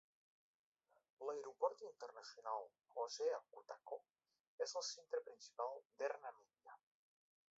"L'aeroport internacional Hosea Kutako" és el centre principal d'Air Namibia.